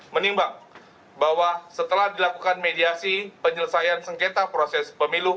menimbang bahwa setelah dilakukan mediasi penyelesaian sengketa proses pemilu